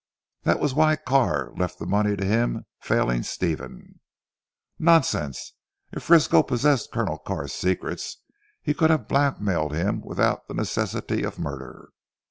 That was why Carr left the money to him failing Stephen." "Nonsense. If Frisco possessed Colonel Carr's secrets he could have blackmailed him without the necessity of murder."